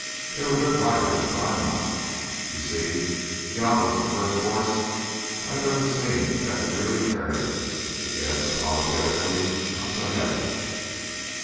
They were good riders, but I'm not. You see, Diablo's the first horse I've ever seen that could really carry me." He added apologetically, "I'm so heavy."